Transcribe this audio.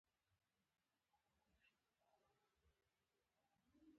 پخوا به خلکو رمه رمه څاروي ساتل.